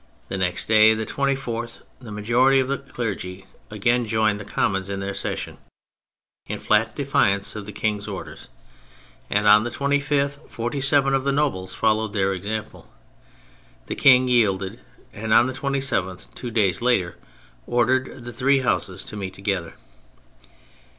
The next day, the 24th, the majority of the clergy again joined the Commons in their session (in flat defiance of the King's orders), and on the 25th, forty seven of the nobles followed their example. The King yielded, and on the 27th, two days later, ordered the three Houses to meet together.